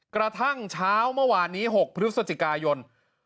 กระทั่งเช้าเมื่อวานนี้๖พฤศจิกายน